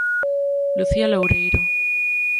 Lucía Loureiro.